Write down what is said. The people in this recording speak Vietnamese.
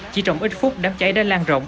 chỉ trong ít phút đám cháy đã lan rộng